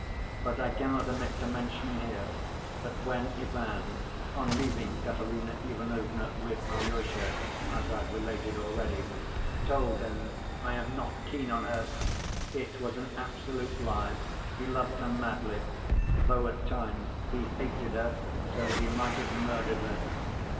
But I cannot omit to mention here that when Ivan, on leaving Katerina Ivanovna with Alyosha, as I've related already, told him, "I am not keen on her," it was an absolute lie: he loved her madly, though at times he hated her so that he might have murdered her.